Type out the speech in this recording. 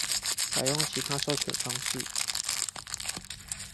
改用其他授權方式